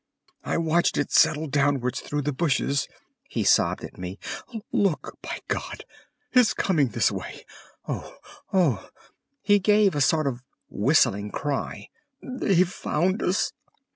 "I watched it settle downwards through the bushes," he sobbed at me. "Look, by God! It's coming this way! Oh, oh!"—he gave a kind of whistling cry. "_They've found us.